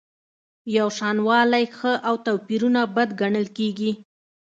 یوشانوالی ښه او توپیرونه بد ګڼل کیږي.